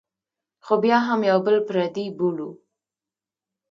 خو بیا هم یو بل پردي بولو.